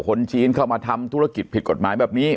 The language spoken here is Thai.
คนจีนเข้ามาทำธุรกิจผิดกฎหมายแบบนี้